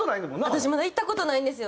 私まだ行った事ないんですよ。